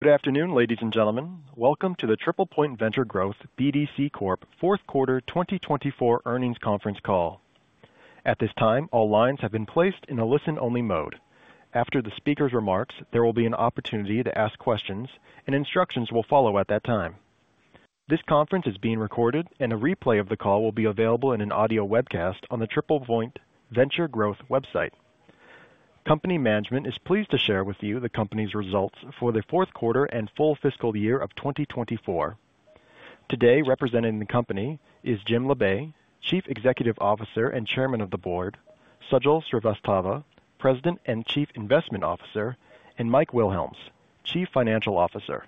Good afternoon, ladies and gentlemen. Welcome to the TriplePoint Venture Growth BDC Fourth Quarter 2024 Earnings Conference call. At this time, all lines have been placed in a listen-only mode. After the speaker's remarks, there will be an opportunity to ask questions, and instructions will follow at that time. This conference is being recorded, and a replay of the call will be available in an audio webcast on the TriplePoint Venture Growth website. Company management is pleased to share with you the company's results for the fourth quarter and full fiscal year of 2024. Today, representing the company is Jim Labe, Chief Executive Officer and Chairman of the Board, Sajal Srivastava, President and Chief Investment Officer, and Mike Wilhelms, Chief Financial Officer.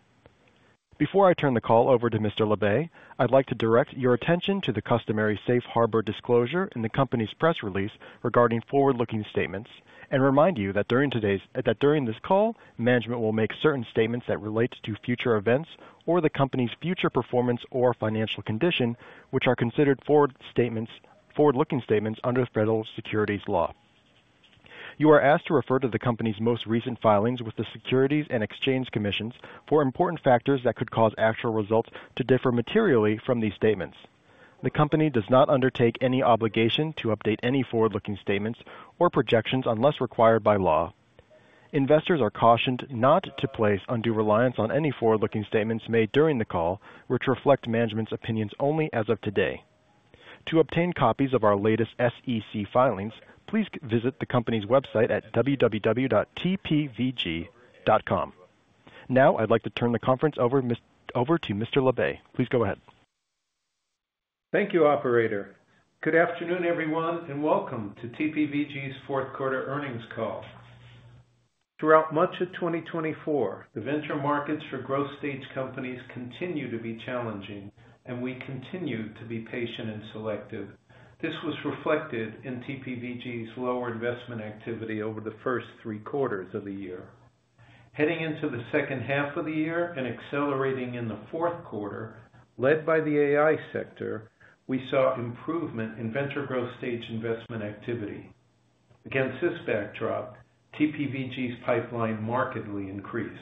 Before I turn the call over to Mr. Labe, I'd like to direct your attention to the customary safe harbor disclosure in the company's press release regarding forward-looking statements, and remind you that during this call, management will make certain statements that relate to future events or the company's future performance or financial condition, which are considered forward-looking statements under federal securities law. You are asked to refer to the company's most recent filings with the Securities and Exchange Commission for important factors that could cause actual results to differ materially from these statements. The company does not undertake any obligation to update any forward-looking statements or projections unless required by law. Investors are cautioned not to place undue reliance on any forward-looking statements made during the call, which reflect management's opinions only as of today. To obtain copies of our latest SEC filings, please visit the company's website at www.tpvg.com. Now, I'd like to turn the conference over to Mr. Labe. Please go ahead. Thank you, Operator. Good afternoon, everyone, and welcome to TPVG's Fourth Quarter Earnings Call. Throughout much of 2024, the venture markets for growth-stage companies continue to be challenging, and we continue to be patient and selective. This was reflected in TPVG's lower investment activity over the first three quarters of the year. Heading into the second half of the year and accelerating in the fourth quarter, led by the AI sector, we saw improvement in venture growth-stage investment activity. Against this backdrop, TPVG's pipeline markedly increased.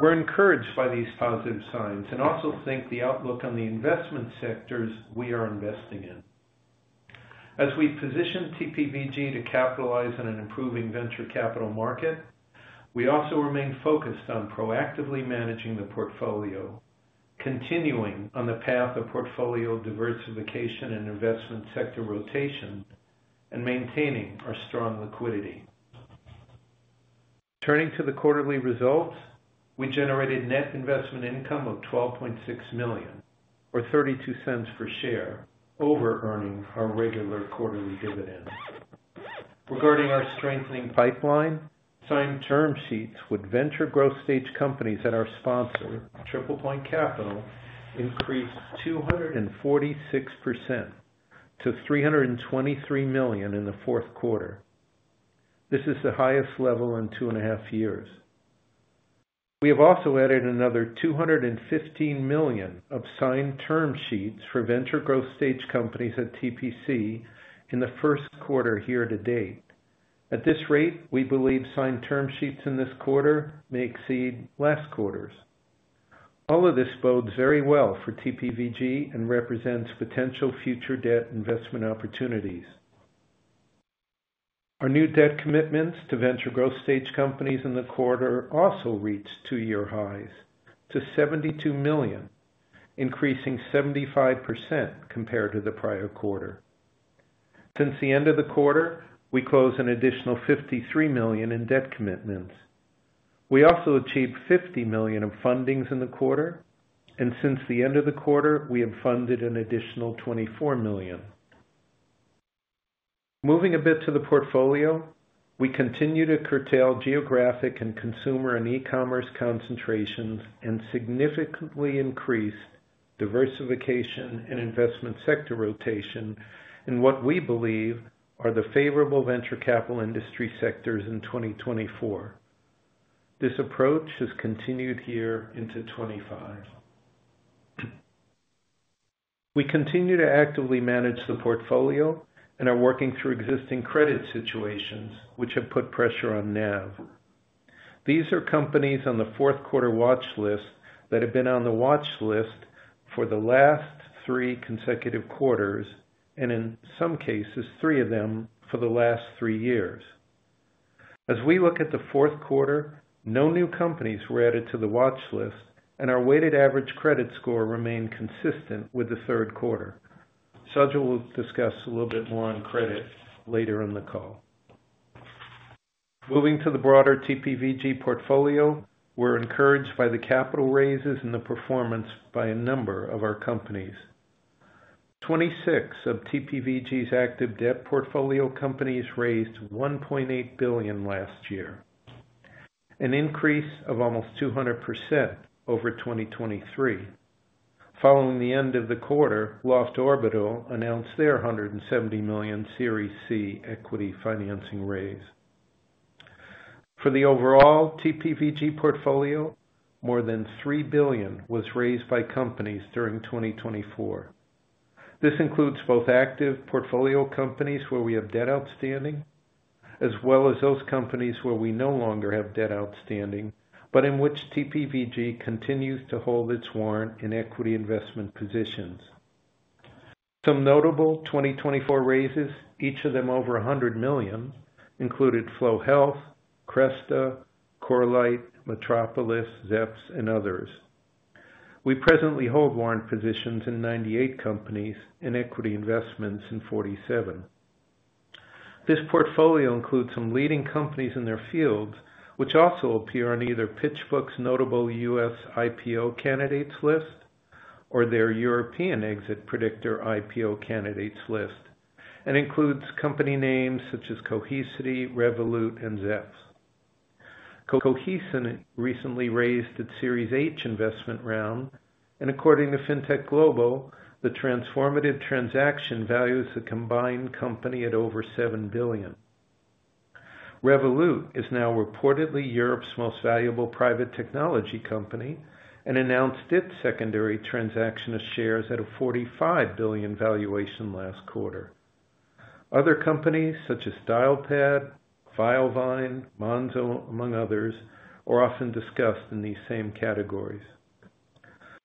We're encouraged by these positive signs and also think the outlook on the investment sectors we are investing in. As we position TPVG to capitalize on an improving venture capital market, we also remain focused on proactively managing the portfolio, continuing on the path of portfolio diversification and investment sector rotation, and maintaining our strong liquidity. Turning to the quarterly results, we generated net investment income of $12.6 million, or $0.32 per share, over-earning our regular quarterly dividends. Regarding our strengthening pipeline, signed term sheets with venture growth-stage companies that our sponsor, TriplePoint Capital, increased 246% to $323 million in the fourth quarter. This is the highest level in two and a half years. We have also added another $215 million of signed term sheets for venture growth-stage companies at TPC in the first quarter here to date. At this rate, we believe signed term sheets in this quarter may exceed last quarter's. All of this bodes very well for TPVG and represents potential future debt investment opportunities. Our new debt commitments to venture growth-stage companies in the quarter also reached two-year highs to $72 million, increasing 75% compared to the prior quarter. Since the end of the quarter, we closed an additional $53 million in debt commitments. We also achieved $50 million in fundings in the quarter, and since the end of the quarter, we have funded an additional $24 million. Moving a bit to the portfolio, we continue to curtail geographic and consumer and e-commerce concentrations and significantly increase diversification and investment sector rotation in what we believe are the favorable venture capital industry sectors in 2024. This approach has continued here into 2025. We continue to actively manage the portfolio and are working through existing credit situations, which have put pressure on NAV. These are companies on the fourth quarter watch list that have been on the watch list for the last three consecutive quarters, and in some cases, three of them for the last three years. As we look at the fourth quarter, no new companies were added to the watch list, and our weighted average credit score remained consistent with the third quarter. Sajal will discuss a little bit more on credit later in the call. Moving to the broader TPVG portfolio, we're encouraged by the capital raises and the performance by a number of our companies. Twenty-six of TPVG's active debt portfolio companies raised $1.8 billion last year, an increase of almost 200% over 2023. Following the end of the quarter, Loft Orbital announced their $170 million Series C equity financing raise. For the overall TPVG portfolio, more than $3 billion was raised by companies during 2024. This includes both active portfolio companies where we have debt outstanding, as well as those companies where we no longer have debt outstanding, but in which TPVG continues to hold its warrant and equity investment positions. Some notable 2024 raises, each of them over $100 million, included Flo Health, Cresta, Corelight, Metropolis, Zepz, and others. We presently hold warrant positions in 98 companies and equity investments in 47. This portfolio includes some leading companies in their fields, which also appear on either PitchBook's notable U.S. IPO candidates list or their European exit predictor IPO candidates list, and includes company names such as Cohesity, Revolut, and Zepz. Cohesity recently raised its Series H investment round, and according to FinTech Global, the transformative transaction values the combined company at over $7 billion. Revolut is now reportedly Europe's most valuable private technology company and announced its secondary transaction of shares at a $45 billion valuation last quarter. Other companies such as Dialpad, Filevine, Monzo, among others, are often discussed in these same categories.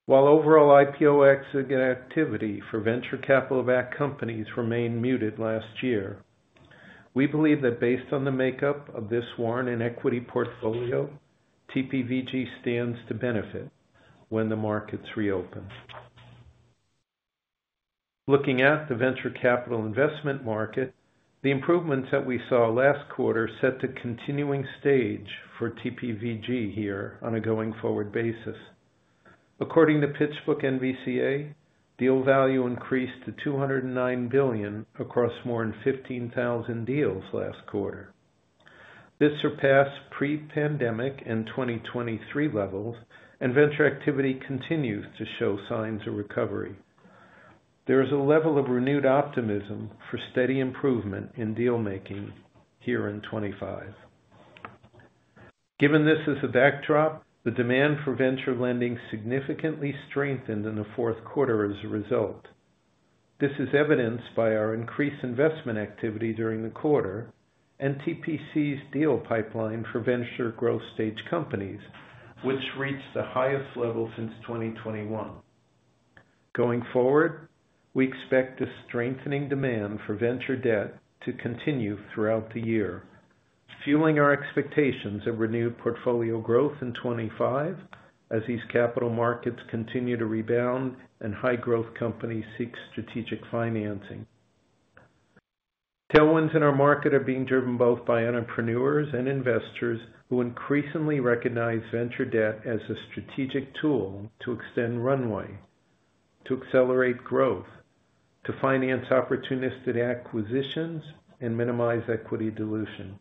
While overall IPO exit activity for venture capital-backed companies remained muted last year, we believe that based on the makeup of this warrant and equity portfolio, TPVG stands to benefit when the markets reopen. Looking at the venture capital investment market, the improvements that we saw last quarter set the continuing stage for TPVG here on a going-forward basis. According to PitchBook-NVCA, deal value increased to $209 billion across more than 15,000 deals last quarter. This surpassed pre-pandemic and 2023 levels, and venture activity continues to show signs of recovery. There is a level of renewed optimism for steady improvement in deal-making here in 2025. Given this as a backdrop, the demand for venture lending significantly strengthened in the fourth quarter as a result. This is evidenced by our increased investment activity during the quarter and TPC's deal pipeline for venture growth-stage companies, which reached the highest level since 2021. Going forward, we expect a strengthening demand for venture debt to continue throughout the year, fueling our expectations of renewed portfolio growth in 2025 as these capital markets continue to rebound and high-growth companies seek strategic financing. Tailwinds in our market are being driven both by entrepreneurs and investors who increasingly recognize venture debt as a strategic tool to extend runway, to accelerate growth, to finance opportunistic acquisitions, and minimize equity dilution.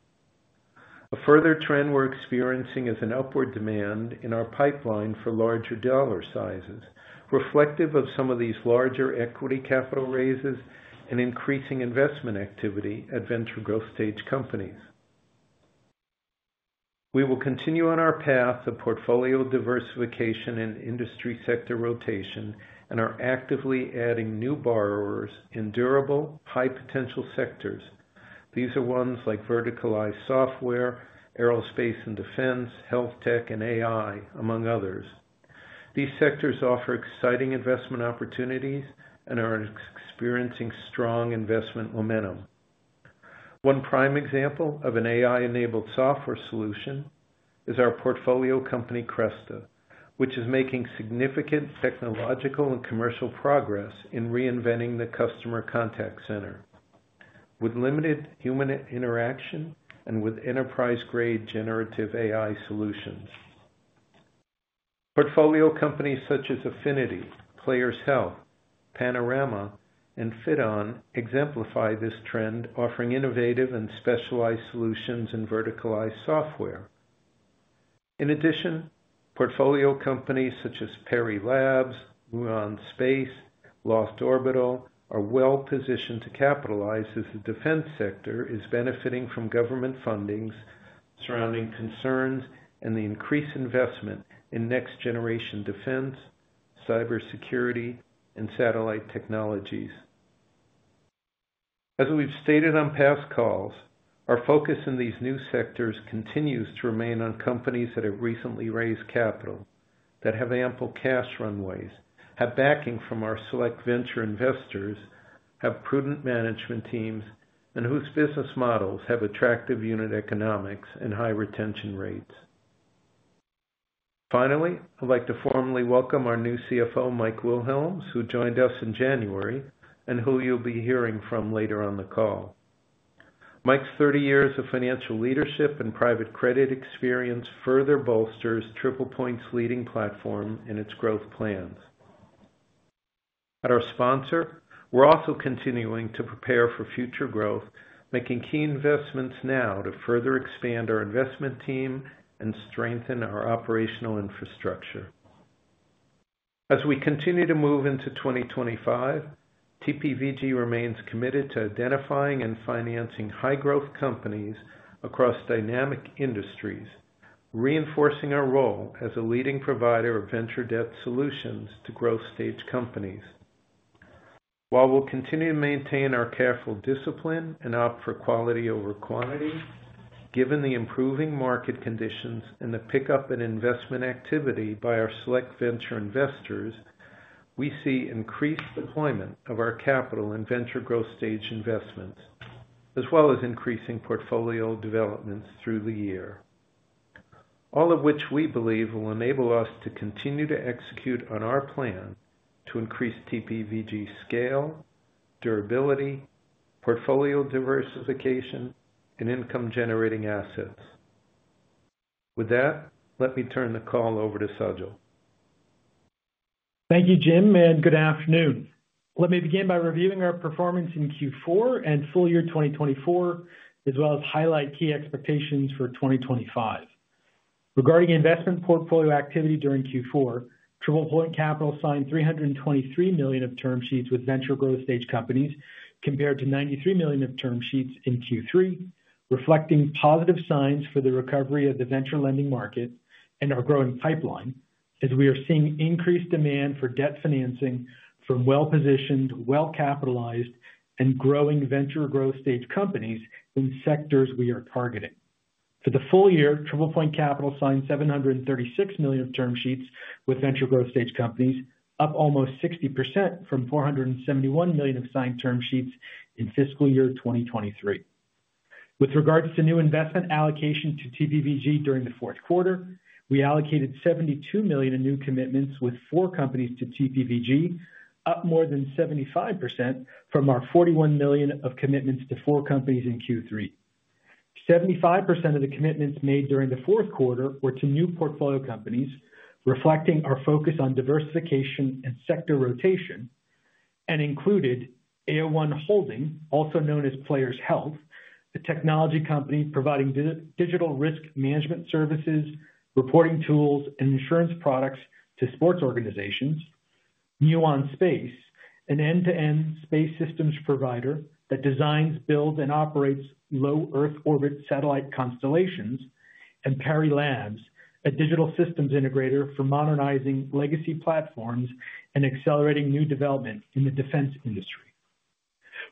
A further trend we're experiencing is an upward demand in our pipeline for larger dollar sizes, reflective of some of these larger equity capital raises and increasing investment activity at venture growth-stage companies. We will continue on our path of portfolio diversification and industry sector rotation and are actively adding new borrowers in durable, high-potential sectors. These are ones like verticalized software, aerospace and defense, health tech, and AI, among others. These sectors offer exciting investment opportunities and are experiencing strong investment momentum. One prime example of an AI-enabled software solution is our portfolio company, Cresta, which is making significant technological and commercial progress in reinventing the customer contact center with limited human interaction and with enterprise-grade generative AI solutions. Portfolio companies such as Affinity, Players Health, Panorama, and Fyllo exemplify this trend, offering innovative and specialized solutions in verticalized software. In addition, portfolio companies such as Parry Labs, Muon Space, and Loft Orbital are well-positioned to capitalize as the defense sector is benefiting from government fundings surrounding concerns and the increased investment in next-generation defense, cybersecurity, and satellite technologies. As we've stated on past calls, our focus in these new sectors continues to remain on companies that have recently raised capital, that have ample cash runways, have backing from our select venture investors, have prudent management teams, and whose business models have attractive unit economics and high retention rates. Finally, I'd like to formally welcome our new CFO, Mike Wilhelms, who joined us in January and who you'll be hearing from later on the call. Mike's 30 years of financial leadership and private credit experience further bolsters TriplePoint's leading platform and its growth plans. At our sponsor, we're also continuing to prepare for future growth, making key investments now to further expand our investment team and strengthen our operational infrastructure. As we continue to move into 2025, TPVG remains committed to identifying and financing high-growth companies across dynamic industries, reinforcing our role as a leading provider of venture debt solutions to growth-stage companies. While we'll continue to maintain our careful discipline and opt for quality over quantity, given the improving market conditions and the pickup in investment activity by our select venture investors, we see increased deployment of our capital and venture growth-stage investments, as well as increasing portfolio developments through the year, all of which we believe will enable us to continue to execute on our plan to increase TPVG's scale, durability, portfolio diversification, and income-generating assets. With that, let me turn the call over to Sajal. Thank you, Jim, and good afternoon. Let me begin by reviewing our performance in Q4 and full year 2024, as well as highlight key expectations for 2025. Regarding investment portfolio activity during Q4, TriplePoint Capital signed $323 million of term sheets with venture growth-stage companies compared to $93 million of term sheets in Q3, reflecting positive signs for the recovery of the venture lending market and our growing pipeline as we are seeing increased demand for debt financing from well-positioned, well-capitalized, and growing venture growth-stage companies in sectors we are targeting. For the full year, TriplePoint Capital signed $736 million of term sheets with venture growth-stage companies, up almost 60% from $471 million of signed term sheets in fiscal year 2023. With regards to new investment allocation to TPVG during the fourth quarter, we allocated $72 million in new commitments with four companies to TPVG, up more than 75% from our $41 million of commitments to four companies in Q3. 75% of the commitments made during the fourth quarter were to new portfolio companies, reflecting our focus on diversification and sector rotation, and included AO1 Holdings, also known as Players Health, a technology company providing digital risk management services, reporting tools, and insurance products to sports organizations; Muon Space, an end-to-end space systems provider that designs, builds, and operates low Earth orbit satellite constellations; and Parry Labs, a digital systems integrator for modernizing legacy platforms and accelerating new development in the defense industry.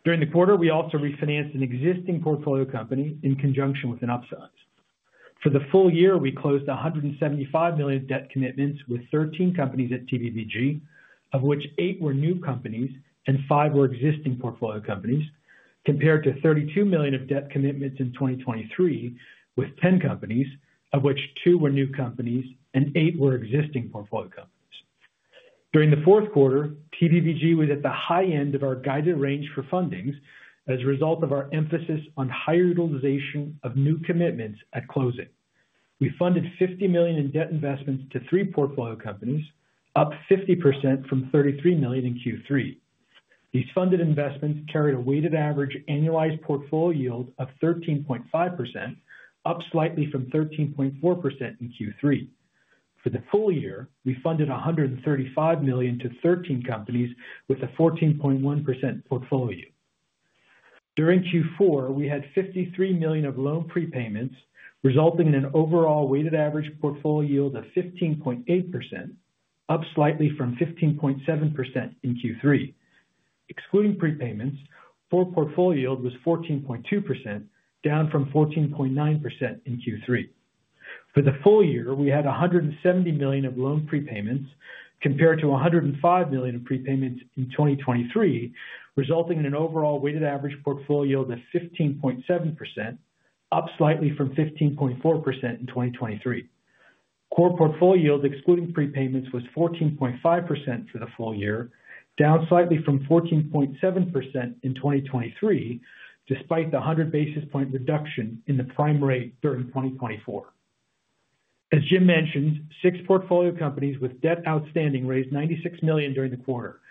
During the quarter, we also refinanced an existing portfolio company in conjunction with an upsize. For the full year, we closed $175 million debt commitments with 13 companies at TPVG, of which eight were new companies and five were existing portfolio companies, compared to $32 million of debt commitments in 2023 with 10 companies, of which two were new companies and eight were existing portfolio companies. During the fourth quarter, TPVG was at the high end of our guided range for fundings as a result of our emphasis on high utilization of new commitments at closing. We funded $50 million in debt investments to three portfolio companies, up 50% from $33 million in Q3. These funded investments carried a weighted average annualized portfolio yield of 13.5%, up slightly from 13.4% in Q3. For the full year, we funded $135 million to 13 companies with a 14.1% portfolio yield. During Q4, we had $53 million of loan prepayments, resulting in an overall weighted average portfolio yield of 15.8%, up slightly from 15.7% in Q3. Excluding prepayments, forward portfolio yield was 14.2%, down from 14.9% in Q3. For the full year, we had $170 million of loan prepayments compared to $105 million of prepayments in 2023, resulting in an overall weighted average portfolio yield of 15.7%, up slightly from 15.4% in 2023. Core portfolio yield, excluding prepayments, was 14.5% for the full year, down slightly from 14.7% in 2023, despite the 100 basis point reduction in the prime rate during 2024. As Jim mentioned, six portfolio companies with debt outstanding raised $96 million during the quarter.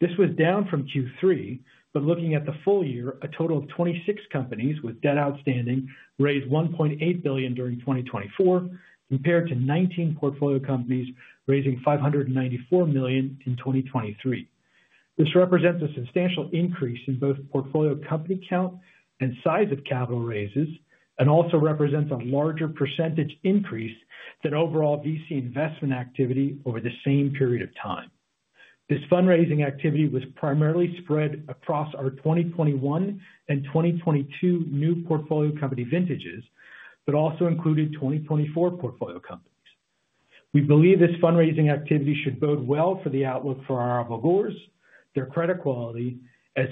This was down from Q3, but looking at the full year, a total of 26 companies with debt outstanding raised $1.8 billion during 2024, compared to 19 portfolio companies raising $594 million in 2023. This represents a substantial increase in both portfolio company count and size of capital raises and also represents a larger percentage increase than overall VC investment activity over the same period of time. This fundraising activity was primarily spread across our 2021 and 2022 new portfolio company vintages, but also included 2024 portfolio companies. We believe this fundraising activity should bode well for the outlook for our borrowers, their credit quality, as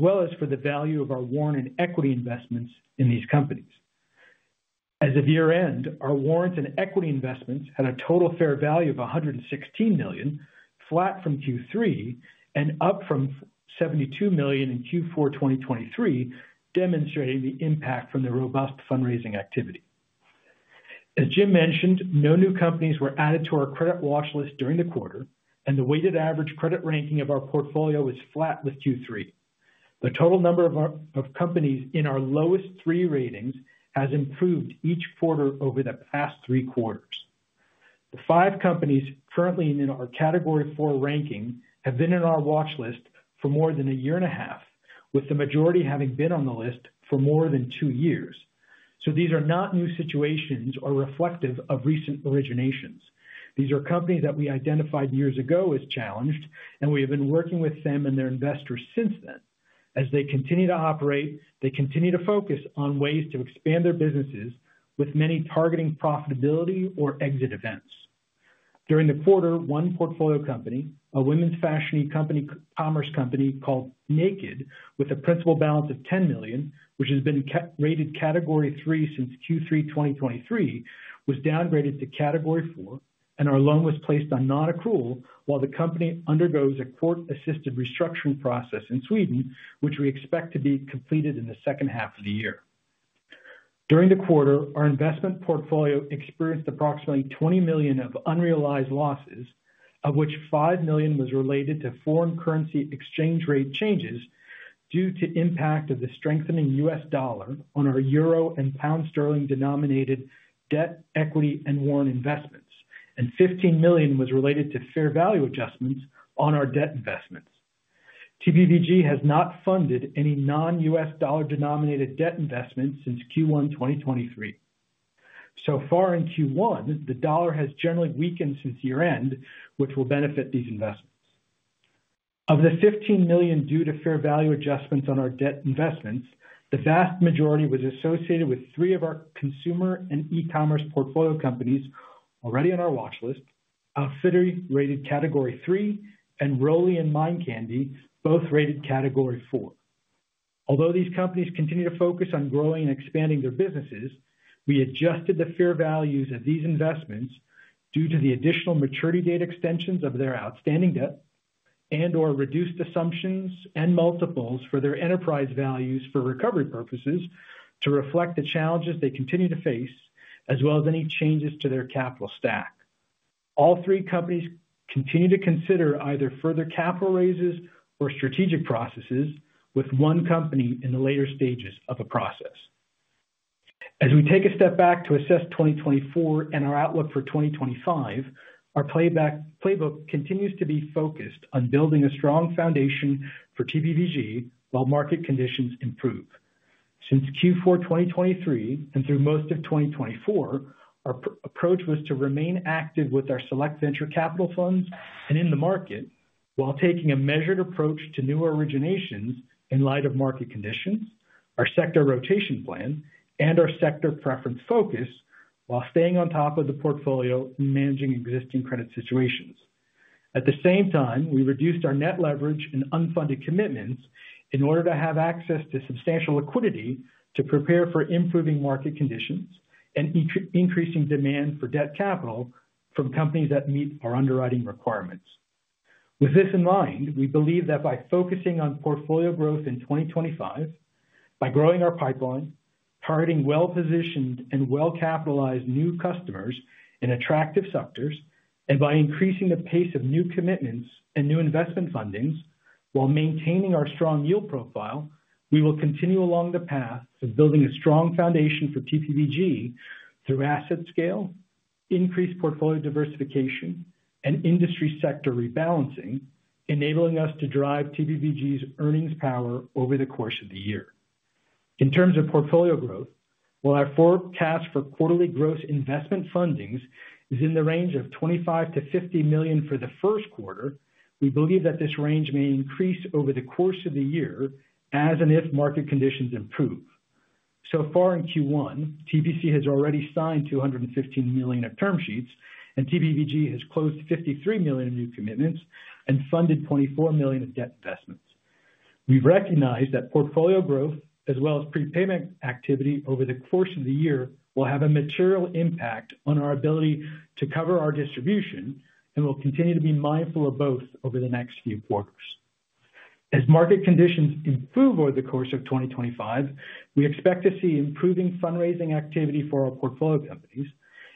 well as for the value of our warrant and equity investments in these companies. As of year-end, our warrants and equity investments had a total fair value of $116 million, flat from Q3 and up from $72 million in Q4 2023, demonstrating the impact from the robust fundraising activity. As Jim mentioned, no new companies were added to our credit watch list during the quarter, and the weighted average credit ranking of our portfolio was flat with Q3. The total number of companies in our lowest three ratings has improved each quarter over the past three quarters. The five companies currently in our category four ranking have been in our watch list for more than a year and a half, with the majority having been on the list for more than two years. These are not new situations or reflective of recent originations. These are companies that we identified years ago as challenged, and we have been working with them and their investors since then. As they continue to operate, they continue to focus on ways to expand their businesses with many targeting profitability or exit events. During the quarter, one portfolio company, a women's fashion e-commerce company called NA-KD, with a principal balance of $10 million, which has been rated category three since Q3 2023, was downgraded to category four, and our loan was placed on non-accrual while the company undergoes a court-assisted restructuring process in Sweden, which we expect to be completed in the second half of the year. During the quarter, our investment portfolio experienced approximately $20 million of unrealized losses, of which $5 million was related to foreign currency exchange rate changes due to the impact of the strengthening US dollar on our euro and pound sterling denominated debt, equity, and warrant investments, and $15 million was related to fair value adjustments on our debt investments. TPVG has not funded any non-US dollar denominated debt investments since Q1 2023. So far in Q1, the dollar has generally weakened since year-end, which will benefit these investments. Of the $15 million due to fair value adjustments on our debt investments, the vast majority was associated with three of our consumer and e-commerce portfolio companies already on our watch list, our FitOn rated category three and ROLI and Mind Candy, both rated category four. Although these companies continue to focus on growing and expanding their businesses, we adjusted the fair values of these investments due to the additional maturity date extensions of their outstanding debt and/or reduced assumptions and multiples for their enterprise values for recovery purposes to reflect the challenges they continue to face, as well as any changes to their capital stack. All three companies continue to consider either further capital raises or strategic processes with one company in the later stages of a process. As we take a step back to assess 2024 and our outlook for 2025, our playbook continues to be focused on building a strong foundation for TPVG while market conditions improve. Since Q4 2023 and through most of 2024, our approach was to remain active with our select venture capital funds and in the market while taking a measured approach to new originations in light of market conditions, our sector rotation plan, and our sector preference focus while staying on top of the portfolio and managing existing credit situations. At the same time, we reduced our net leverage and unfunded commitments in order to have access to substantial liquidity to prepare for improving market conditions and increasing demand for debt capital from companies that meet our underwriting requirements. With this in mind, we believe that by focusing on portfolio growth in 2025, by growing our pipeline, targeting well-positioned and well-capitalized new customers in attractive sectors, and by increasing the pace of new commitments and new investment fundings while maintaining our strong yield profile, we will continue along the path of building a strong foundation for TPVG through asset scale, increased portfolio diversification, and industry sector rebalancing, enabling us to drive TPVG's earnings power over the course of the year. In terms of portfolio growth, while our forecast for quarterly gross investment fundings is in the range of $25 million-$50 million for the first quarter, we believe that this range may increase over the course of the year as and if market conditions improve. So far in Q1, TPVG has already signed $215 million of term sheets, and TPVG has closed $53 million of new commitments and funded $24 million of debt investments. We've recognized that portfolio growth, as well as prepayment activity over the course of the year, will have a material impact on our ability to cover our distribution and will continue to be mindful of both over the next few quarters. As market conditions improve over the course of 2025, we expect to see improving fundraising activity for our portfolio companies,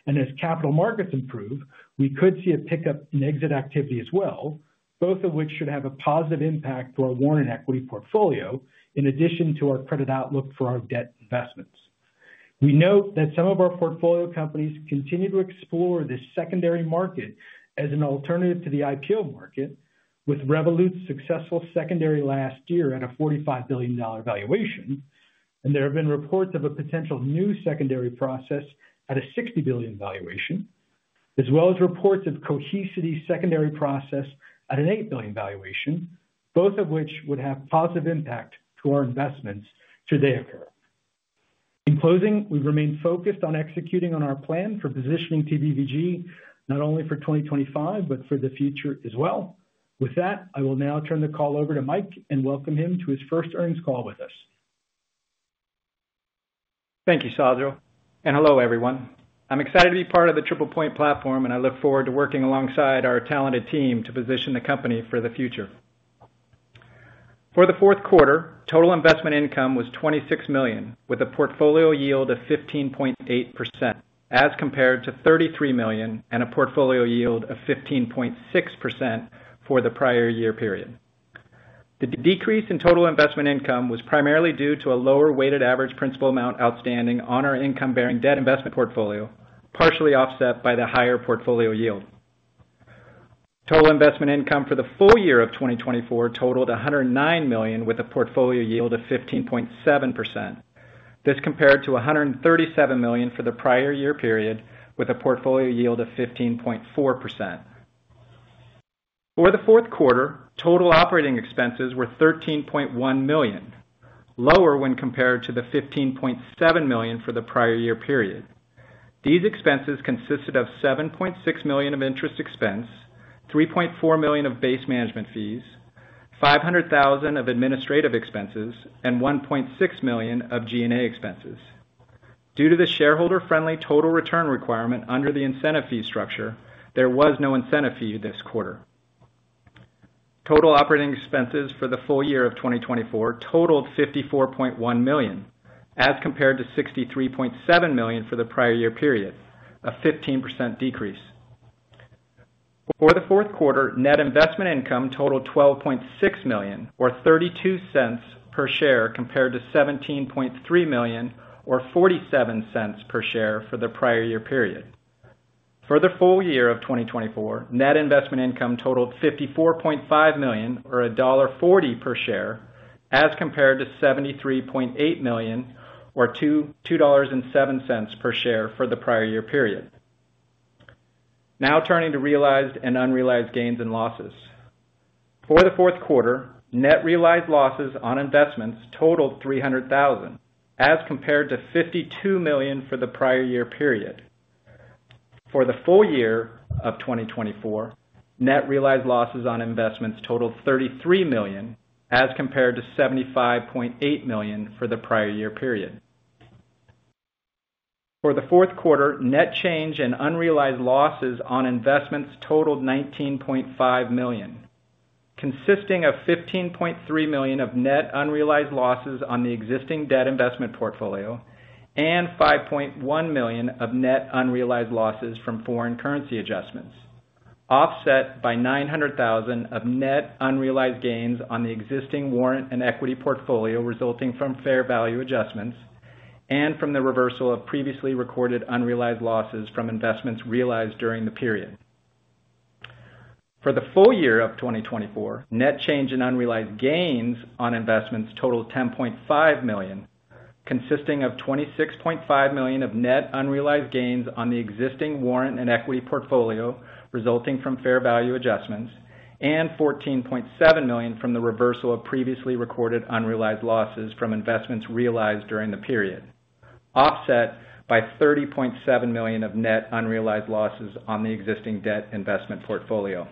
and as capital markets improve, we could see a pickup in exit activity as well, both of which should have a positive impact to our warrant and equity portfolio in addition to our credit outlook for our debt investments. We note that some of our portfolio companies continue to explore the secondary market as an alternative to the IPO market, with Revolut's successful secondary last year at a $45 billion valuation, and there have been reports of a potential new secondary process at a $60 billion valuation, as well as reports of Cohesity's secondary process at an $8 billion valuation, both of which would have a positive impact to our investments should they occur. In closing, we remain focused on executing on our plan for positioning TPVG not only for 2025, but for the future as well. With that, I will now turn the call over to Mike and welcome him to his first earnings call with us. Thank you, Sajal. Hello, everyone. I'm excited to be part of the TriplePoint Platform, and I look forward to working alongside our talented team to position the company for the future. For the fourth quarter, total investment income was $26 million, with a portfolio yield of 15.8%, as compared to $33 million and a portfolio yield of 15.6% for the prior year period. The decrease in total investment income was primarily due to a lower weighted average principal amount outstanding on our income-bearing debt investment portfolio, partially offset by the higher portfolio yield. Total investment income for the full year of 2024 totaled $109 million, with a portfolio yield of 15.7%. This compared to $137 million for the prior year period, with a portfolio yield of 15.4%. For the fourth quarter, total operating expenses were $13.1 million, lower when compared to the $15.7 million for the prior year period. These expenses consisted of $7.6 million of interest expense, $3.4 million of base management fees, $500,000 of administrative expenses, and $1.6 million of G&A expenses. Due to the shareholder-friendly total return requirement under the incentive fee structure, there was no incentive fee this quarter. Total operating expenses for the full year of 2024 totaled $54.1 million, as compared to $63.7 million for the prior year period, a 15% decrease. For the fourth quarter, net investment income totaled $12.6 million, or $0.32 per share, compared to $17.3 million, or $0.47 per share for the prior year period. For the full year of 2024, net investment income totaled $54.5 million, or $1.40 per share, as compared to $73.8 million, or $2.07 per share for the prior year period. Now turning to realized and unrealized gains and losses. For the fourth quarter, net realized losses on investments totaled $300,000, as compared to $52 million for the prior year period. For the full year of 2024, net realized losses on investments totaled $33 million, as compared to $75.8 million for the prior year period. For the fourth quarter, net change and unrealized losses on investments totaled $19.5 million, consisting of $15.3 million of net unrealized losses on the existing debt investment portfolio and $5.1 million of net unrealized losses from foreign currency adjustments, offset by $900,000 of net unrealized gains on the existing warrant and equity portfolio resulting from fair value adjustments and from the reversal of previously recorded unrealized losses from investments realized during the period. For the full year of 2024, net change and unrealized gains on investments totaled $10.5 million, consisting of $26.5 million of net unrealized gains on the existing warrant and equity portfolio resulting from fair value adjustments, and $14.7 million from the reversal of previously recorded unrealized losses from investments realized during the period, offset by $30.7 million of net unrealized losses on the existing debt investment portfolio.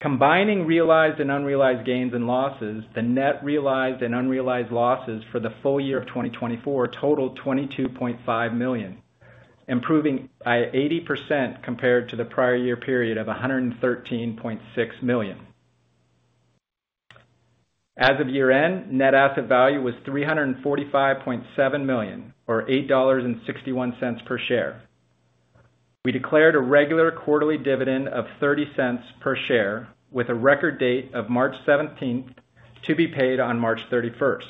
Combining realized and unrealized gains and losses, the net realized and unrealized losses for the full year of 2024 totaled $22.5 million, improving by 80% compared to the prior year period of $113.6 million. As of year-end, net asset value was $345.7 million, or $8.61 per share. We declared a regular quarterly dividend of $0.30 per share with a record date of March 17th to be paid on March 31st.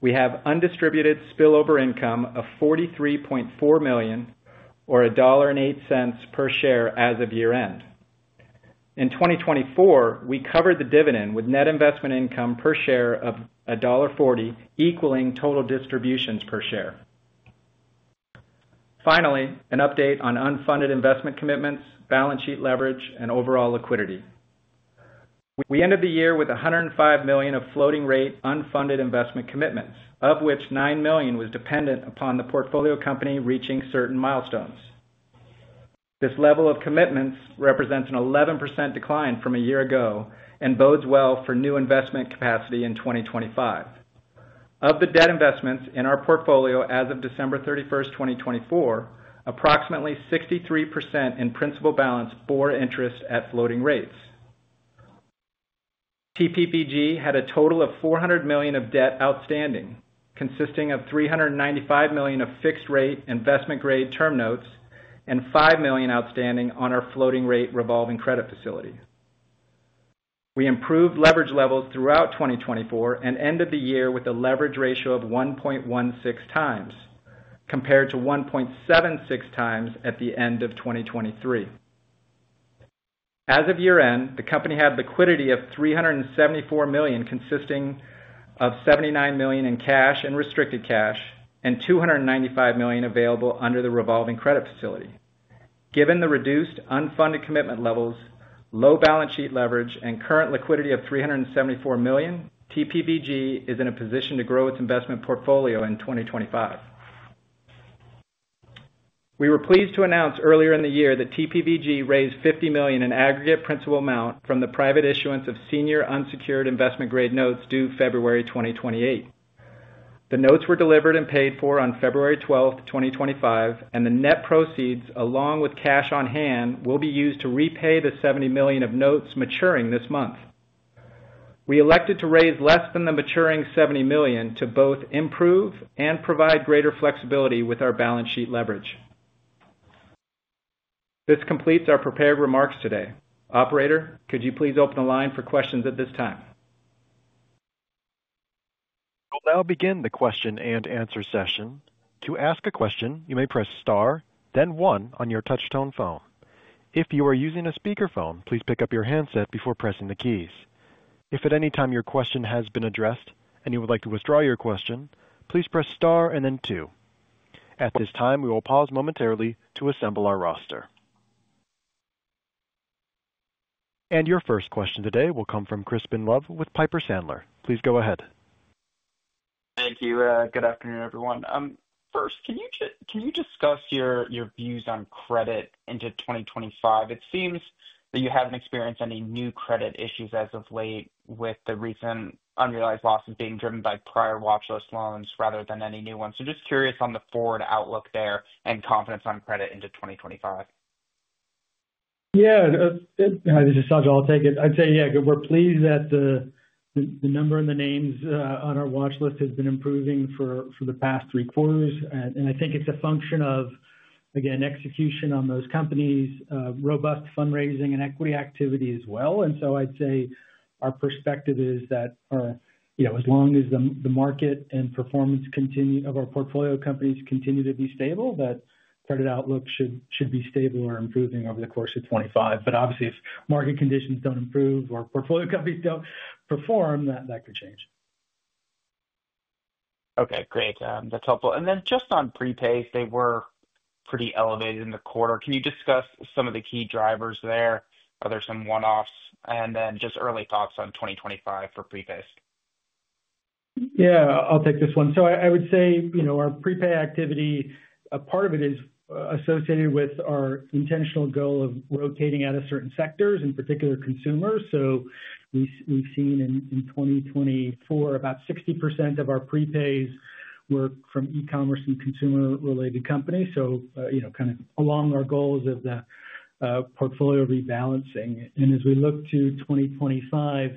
We have undistributed spillover income of $43.4 million, or $1.08 per share as of year-end. In 2024, we covered the dividend with net investment income per share of $1.40, equaling total distributions per share. Finally, an update on unfunded investment commitments, balance sheet leverage, and overall liquidity. We ended the year with $105 million of floating-rate unfunded investment commitments, of which $9 million was dependent upon the portfolio company reaching certain milestones. This level of commitments represents an 11% decline from a year ago and bodes well for new investment capacity in 2025. Of the debt investments in our portfolio as of December 31, 2024, approximately 63% in principal balance bore interest at floating rates. TPVG had a total of $400 million of debt outstanding, consisting of $395 million of fixed-rate investment-grade term notes and $5 million outstanding on our floating-rate revolving credit facility. We improved leverage levels throughout 2024 and ended the year with a leverage ratio of 1.16 times, compared to 1.76 times at the end of 2023. As of year-end, the company had liquidity of $374 million, consisting of $79 million in cash and restricted cash, and $295 million available under the revolving credit facility. Given the reduced unfunded commitment levels, low balance sheet leverage, and current liquidity of $374 million, TPVG is in a position to grow its investment portfolio in 2025. We were pleased to announce earlier in the year that TPVG raised $50 million in aggregate principal amount from the private issuance of senior unsecured investment-grade notes due February 2028. The notes were delivered and paid for on February 12th, 2025, and the net proceeds, along with cash on hand, will be used to repay the $70 million of notes maturing this month. We elected to raise less than the maturing $70 million to both improve and provide greater flexibility with our balance sheet leverage. This completes our prepared remarks today. Operator, could you please open the line for questions at this time? We'll now begin the question and answer session. To ask a question, you may press star, then one on your touch-tone phone. If you are using a speakerphone, please pick up your handset before pressing the keys. If at any time your question has been addressed and you would like to withdraw your question, please press star and then two. At this time, we will pause momentarily to assemble our roster. Your first question today will come from Crispin Love with Piper Sandler. Please go ahead. Thank you. Good afternoon, everyone. First, can you discuss your views on credit into 2025? It seems that you haven't experienced any new credit issues as of late with the recent unrealized losses being driven by prior watch list loans rather than any new ones. Just curious on the forward outlook there and confidence on credit into 2025. Yeah. Hi, this is Sajal Srivastava. I'd say, yeah, we're pleased that the number and the names on our watch list have been improving for the past three quarters. I think it's a function of, again, execution on those companies, robust fundraising, and equity activity as well. I'd say our perspective is that as long as the market and performance of our portfolio companies continue to be stable, that credit outlook should be stable or improving over the course of 2025. Obviously, if market conditions don't improve or portfolio companies don't perform, that could change. Okay. Great. That's helpful. Just on prepays, they were pretty elevated in the quarter. Can you discuss some of the key drivers there? Are there some one-offs? Just early thoughts on 2025 for prepays? Yeah. I'll take this one. I would say our prepay activity, a part of it is associated with our intentional goal of rotating out of certain sectors and particular consumers. We have seen in 2024, about 60% of our prepays were from e-commerce and consumer-related companies. That is along our goals of the portfolio rebalancing. As we look to 2025,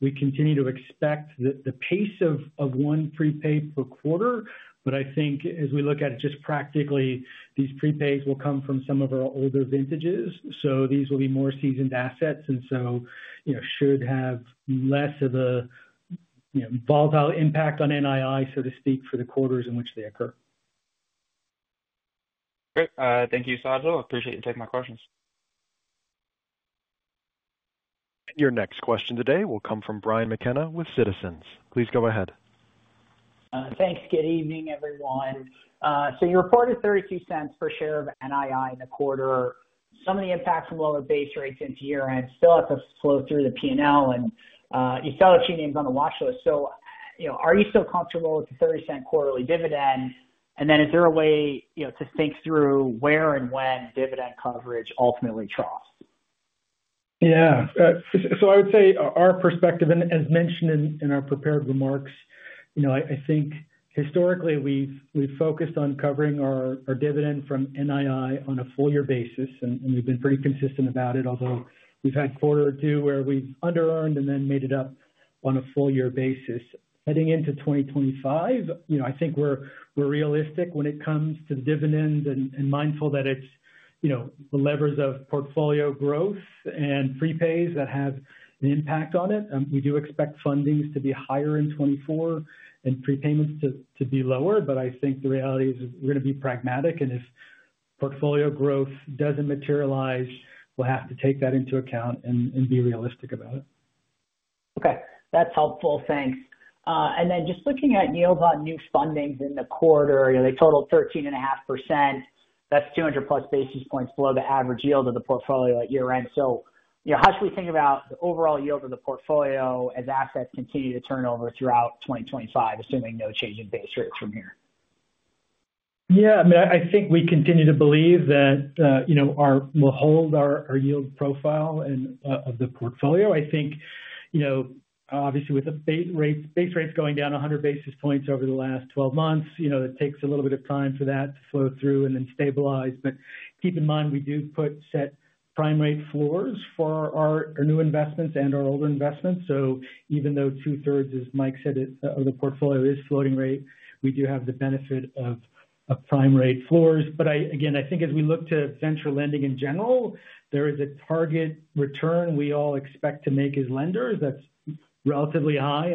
we continue to expect the pace of one prepay per quarter. I think as we look at it just practically, these prepays will come from some of our older vintages. These will be more seasoned assets and should have less of a volatile impact on NII, so to speak, for the quarters in which they occur. Great. Thank you, Sajal. Appreciate you taking my questions. Your next question today will come from Brian McKenna with Citizens. Please go ahead. Thanks. Good evening, everyone. You reported $0.32 per share of NII in the quarter. Some of the impact from lower base rates into year-end still has to flow through the P&L, and you saw a few names on the watchlist. Are you still comfortable with the $0.30 quarterly dividend? Is there a way to think through where and when dividend coverage ultimately troughs? Yeah. I would say our perspective, and as mentioned in our prepared remarks, I think historically we've focused on covering our dividend from NII on a full-year basis, and we've been pretty consistent about it, although we've had a quarter or two where we've under-earned and then made it up on a full-year basis. Heading into 2025, I think we're realistic when it comes to dividends and mindful that it's the levers of portfolio growth and prepays that have an impact on it. We do expect fundings to be higher in 2024 and prepayments to be lower, but I think the reality is we're going to be pragmatic. If portfolio growth doesn't materialize, we'll have to take that into account and be realistic about it. Okay. That's helpful. Thanks. Just looking at yields on new fundings in the quarter, they totaled 13.5%. That's 200-plus basis points below the average yield of the portfolio at year-end. How should we think about the overall yield of the portfolio as assets continue to turn over throughout 2025, assuming no change in base rates from here? Yeah. I mean, I think we continue to believe that we'll hold our yield profile of the portfolio. I think, obviously, with base rates going down 100 basis points over the last 12 months, it takes a little bit of time for that to flow through and then stabilize. Keep in mind, we do set prime rate floors for our new investments and our older investments. Even though two-thirds, as Mike said, of the portfolio is floating rate, we do have the benefit of prime rate floors. Again, I think as we look to venture lending in general, there is a target return we all expect to make as lenders that's relatively high.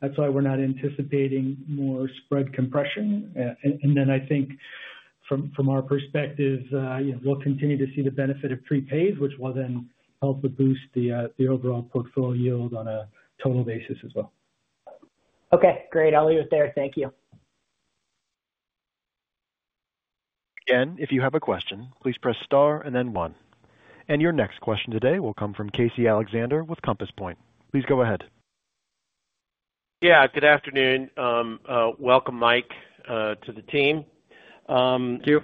That is why we're not anticipating more spread compression. I think from our perspective, we'll continue to see the benefit of prepays, which will then help to boost the overall portfolio yield on a total basis as well. Okay. Great. I'll leave it there. Thank you. Again, if you have a question, please press star and then one. Your next question today will come from Casey Alexander with Compass Point. Please go ahead. Yeah. Good afternoon. Welcome, Mike, to the team. Thank you.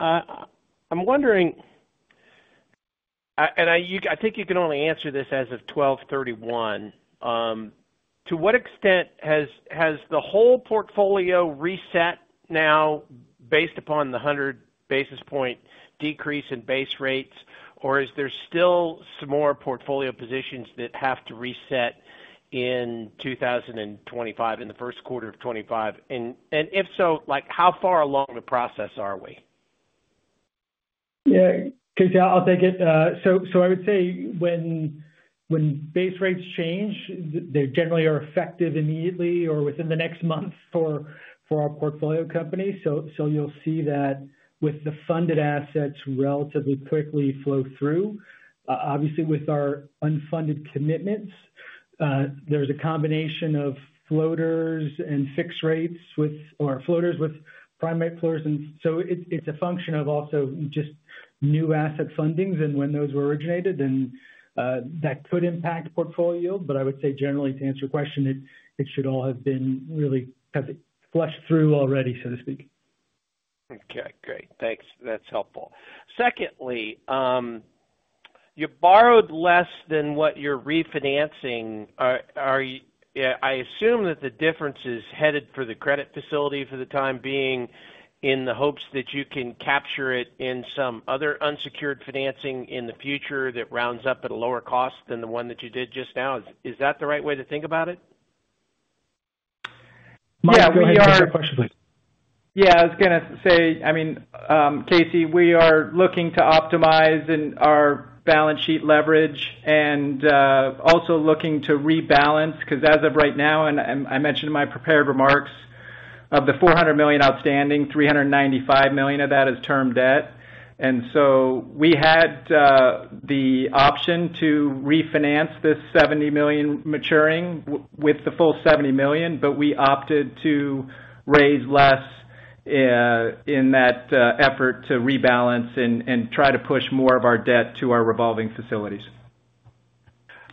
I'm wondering, and I think you can only answer this as of December 31, to what extent has the whole portfolio reset now based upon the 100 basis point decrease in base rates, or is there still some more portfolio positions that have to reset in 2025, in the first quarter of 2025? If so, how far along the process are we? Yeah. Cris, I'll take it. I would say when base rates change, they generally are effective immediately or within the next month for our portfolio companies. You will see that with the funded assets relatively quickly flow through. Obviously, with our unfunded commitments, there is a combination of floaters and fixed rates or floaters with prime rate floors. It is a function of also just new asset fundings. When those were originated, that could impact portfolio yield. I would say, generally, to answer your question, it should all have been really flushed through already, so to speak. Okay. Great. Thanks. That's helpful. Secondly, you borrowed less than what you're refinancing. I assume that the difference is headed for the credit facility for the time being in the hopes that you can capture it in some other unsecured financing in the future that rounds up at a lower cost than the one that you did just now. Is that the right way to think about it? Mike, can you answer your question, please? Yeah. I was going to say, I mean, Casey, we are looking to optimize our balance sheet leverage and also looking to rebalance because as of right now, and I mentioned in my prepared remarks, of the $400 million outstanding, $395 million of that is term debt. We had the option to refinance this $70 million maturing with the full $70 million, but we opted to raise less in that effort to rebalance and try to push more of our debt to our revolving facilities.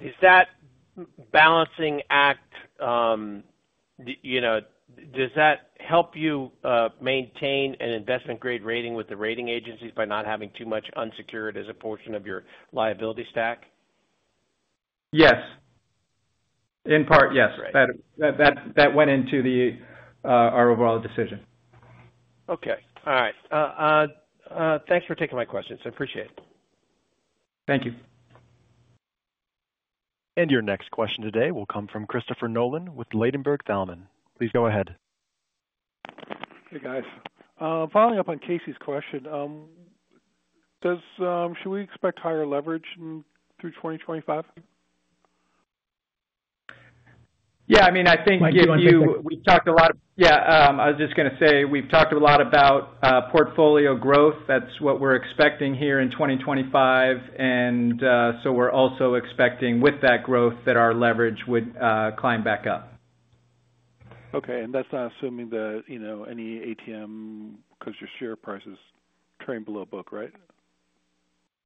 Is that balancing act? Does that help you maintain an investment-grade rating with the rating agencies by not having too much unsecured as a portion of your liability stack? Yes. In part, yes. That went into our overall decision. Okay. All right. Thanks for taking my questions. I appreciate it. Thank you. Your next question today will come from Christopher Nolan with Ladenburg Thalmann. Please go ahead. Hey, guys. Following up on Casey's question, should we expect higher leverage through 2025? Yeah. I mean, I think we've talked a lot of—yeah. I was just going to say we've talked a lot about portfolio growth. That's what we're expecting here in 2025. We are also expecting, with that growth, that our leverage would climb back up. Okay. That's not assuming that any ATM because your share prices trade below book, right?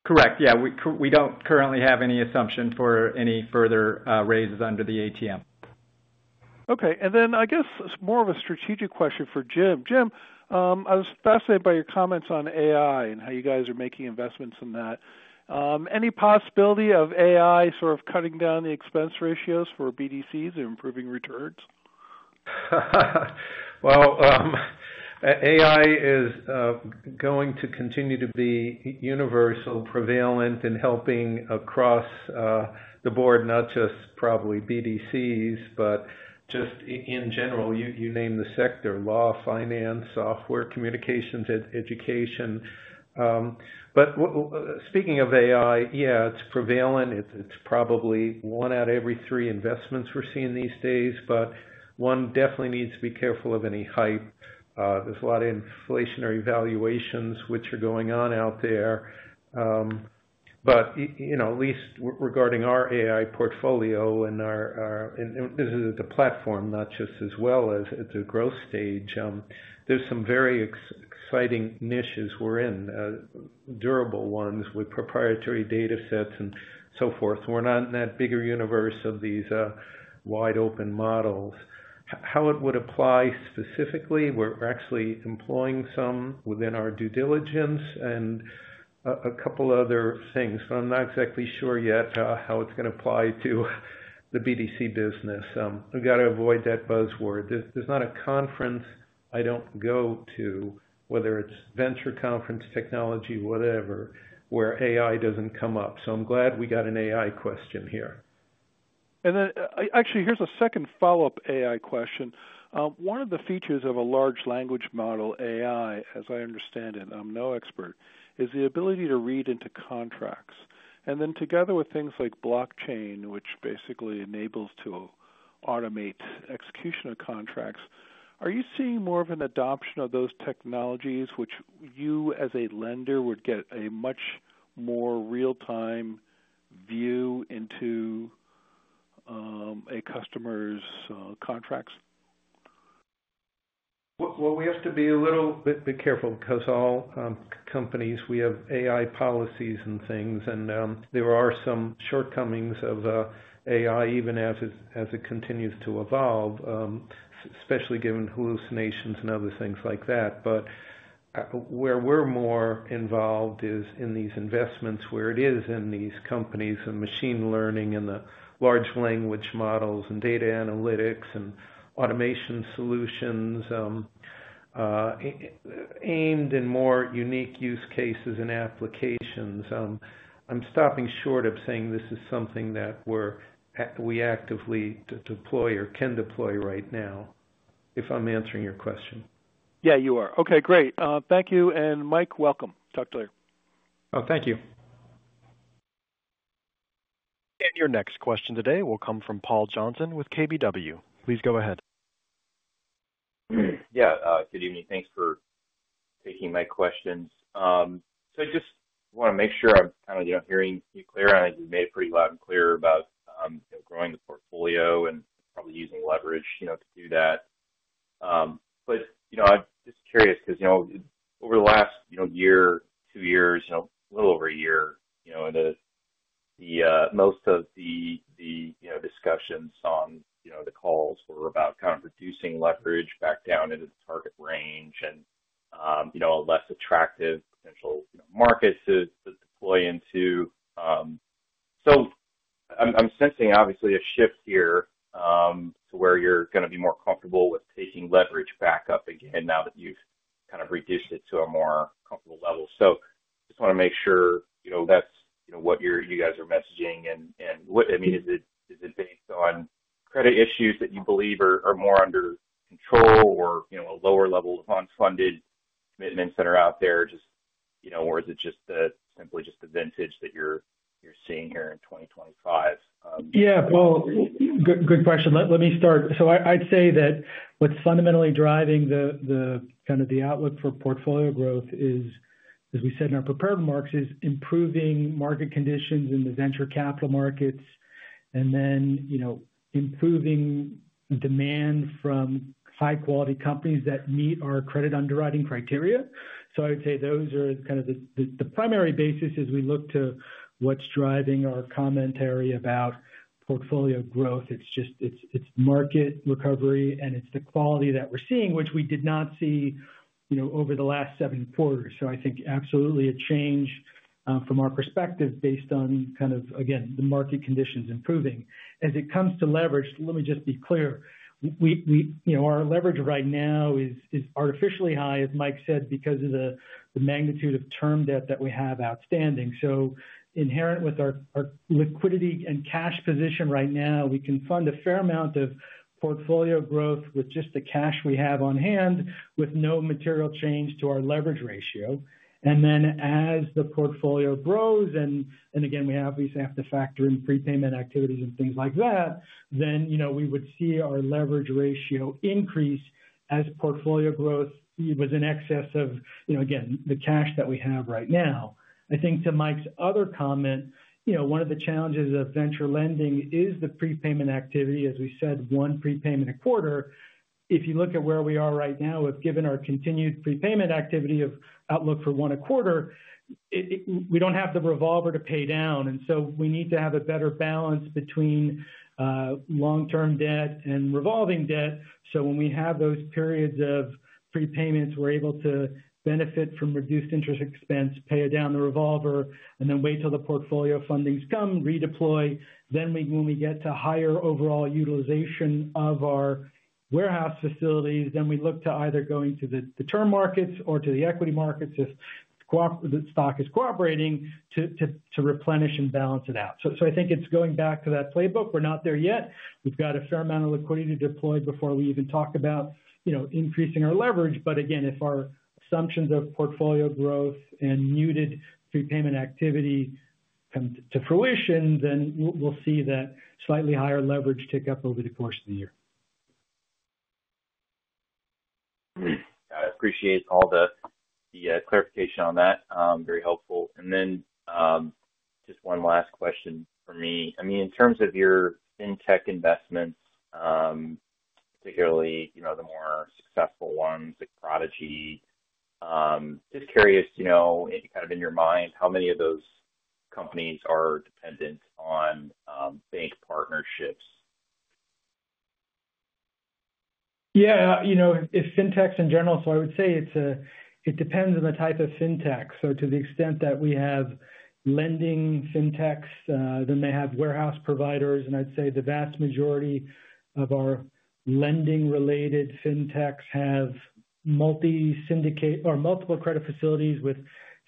Correct. Yeah. We don't currently have any assumption for any further raises under the ATM. Okay. I guess more of a strategic question for Jim. Jim, I was fascinated by your comments on AI and how you guys are making investments in that. Any possibility of AI sort of cutting down the expense ratios for BDCs or improving returns? AI is going to continue to be universal, prevalent, and helping across the board, not just probably BDCs, but just in general, you name the sector: law, finance, software, communications, education. Speaking of AI, yeah, it's prevalent. It's probably one out of every three investments we're seeing these days. One definitely needs to be careful of any hype. There's a lot of inflationary valuations which are going on out there. At least regarding our AI portfolio, and this is at the platform, not just as well as at the growth stage, there's some very exciting niches we're in, durable ones with proprietary datasets and so forth. We're not in that bigger universe of these wide-open models. How it would apply specifically, we're actually employing some within our due diligence and a couple of other things. I'm not exactly sure yet how it's going to apply to the BDC business. We've got to avoid that buzzword. There's not a conference I don't go to, whether it's venture conference, technology, whatever, where AI doesn't come up. I'm glad we got an AI question here. Actually, here's a second follow-up AI question. One of the features of a large language model AI, as I understand it, I'm no expert, is the ability to read into contracts. Together with things like blockchain, which basically enables to automate execution of contracts, are you seeing more of an adoption of those technologies which you, as a lender, would get a much more real-time view into a customer's contracts? We have to be a little bit careful because all companies, we have AI policies and things. There are some shortcomings of AI, even as it continues to evolve, especially given hallucinations and other things like that. Where we're more involved is in these investments where it is in these companies and machine learning and the large language models and data analytics and automation solutions aimed in more unique use cases and applications. I'm stopping short of saying this is something that we actively deploy or can deploy right now, if I'm answering your question. Yeah, you are. Okay. Great. Thank you. Mike, welcome. Talk to you later. Oh, thank you. Your next question today will come from Paul Johnson with KBW. Please go ahead. Yeah. Good evening. Thanks for taking my questions. I just want to make sure I'm kind of hearing you clear. I made it pretty loud and clear about growing the portfolio and probably using leverage to do that. I'm just curious because over the last year, two years, a little over a year, most of the discussions on the calls were about kind of reducing leverage back down into the target range and less attractive potential markets to deploy into. I'm sensing, obviously, a shift here to where you're going to be more comfortable with taking leverage back up again now that you've kind of reduced it to a more comfortable level. I just want to make sure that's what you guys are messaging. I mean, is it based on credit issues that you believe are more under control or a lower level of unfunded commitments that are out there? Is it just simply just the vintage that you're seeing here in 2025? Yeah. Good question. Let me start. I'd say that what's fundamentally driving kind of the outlook for portfolio growth, as we said in our prepared remarks, is improving market conditions in the venture capital markets and then improving demand from high-quality companies that meet our credit underwriting criteria. I would say those are kind of the primary basis as we look to what's driving our commentary about portfolio growth. It's market recovery, and it's the quality that we're seeing, which we did not see over the last seven quarters. I think absolutely a change from our perspective based on, again, the market conditions improving. As it comes to leverage, let me just be clear. Our leverage right now is artificially high, as Mike said, because of the magnitude of term debt that we have outstanding. Inherent with our liquidity and cash position right now, we can fund a fair amount of portfolio growth with just the cash we have on hand with no material change to our leverage ratio. Then as the portfolio grows, and again, we obviously have to factor in prepayment activities and things like that, we would see our leverage ratio increase as portfolio growth was in excess of, again, the cash that we have right now. I think to Mike's other comment, one of the challenges of venture lending is the prepayment activity. As we said, one prepayment a quarter. If you look at where we are right now, given our continued prepayment activity of outlook for one quarter, we do not have the revolver to pay down. We need to have a better balance between long-term debt and revolving debt. When we have those periods of prepayments, we are able to benefit from reduced interest expense, pay down the revolver, and then wait till the portfolio fundings come, redeploy. When we get to higher overall utilization of our warehouse facilities, we look to either going to the term markets or to the equity markets if the stock is cooperating to replenish and balance it out. I think it is going back to that playbook. We are not there yet. We have got a fair amount of liquidity deployed before we even talk about increasing our leverage. Again, if our assumptions of portfolio growth and muted prepayment activity come to fruition, we will see that slightly higher leverage take up over the course of the year. I appreciate all the clarification on that. Very helpful. Just one last question for me. I mean, in terms of your fintech investments, particularly the more successful ones, like Prodigy, just curious, kind of in your mind, how many of those companies are dependent on bank partnerships? Yeah. If fintechs in general, I would say it depends on the type of fintech. To the extent that we have lending fintechs, they have warehouse providers. I'd say the vast majority of our lending-related fintechs have multi-syndicate or multiple credit facilities with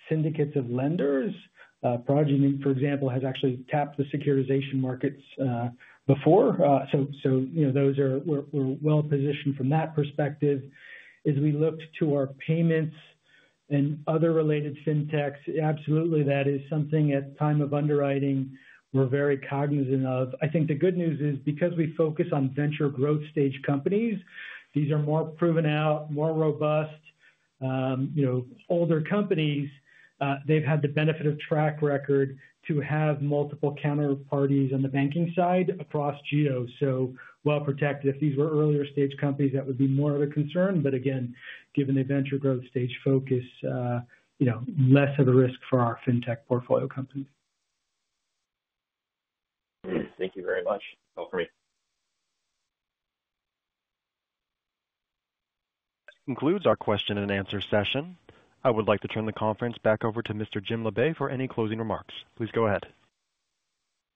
syndicates of lenders. Prodigy, for example, has actually tapped the securitization markets before. Those were well-positioned from that perspective. As we looked to our payments and other related fintechs, absolutely, that is something at time of underwriting we're very cognizant of. I think the good news is because we focus on venture growth stage companies, these are more proven out, more robust, older companies, they've had the benefit of track record to have multiple counterparties on the banking side across geos. Well-protected. If these were earlier stage companies, that would be more of a concern. Again, given the venture growth stage focus, less of a risk for our fintech portfolio companies. Thank you very much. All for me. That concludes our question and answer session. I would like to turn the conference back over to Mr. Jim Labe for any closing remarks. Please go ahead.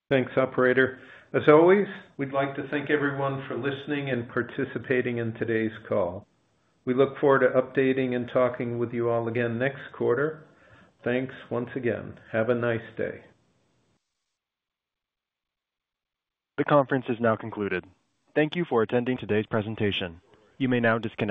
Thanks, Operator. As always, we'd like to thank everyone for listening and participating in today's call. We look forward to updating and talking with you all again next quarter. Thanks once again. Have a nice day. The conference is now concluded. Thank you for attending today's presentation. You may now disconnect.